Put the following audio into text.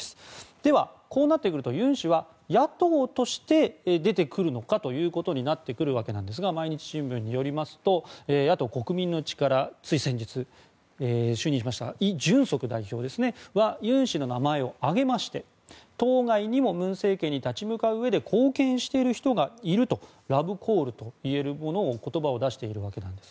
では、こうなってくるとユン氏は野党として出てくるのかということになってくるわけですが毎日新聞によりますと野党・国民の力、つい先日就任しましたイ・ジュンソク代表はユン氏の名前を挙げまして党外にも文政権に立ち向かううえで貢献している人がいるとラブコールといえる言葉を出しているわけです。